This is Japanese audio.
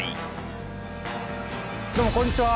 どうもこんにちは。